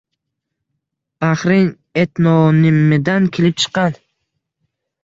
Baxrin etnonimidan kelib chiqqan.